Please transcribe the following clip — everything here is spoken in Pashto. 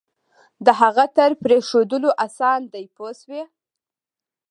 د هغه تر پرېښودلو آسان دی پوه شوې!.